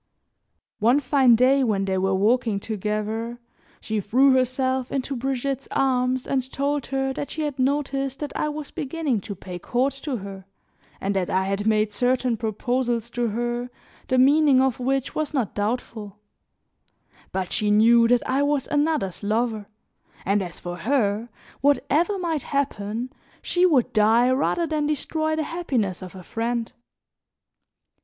One fine day when they were walking together, she threw herself into Brigitte's arms and told her that she had noticed that I was beginning to pay court to her, and that I had made certain proposals to her, the meaning of which was not doubtful; but she knew that I was another's lover, and as for her, whatever might happen, she would die rather than destroy the happiness of a friend.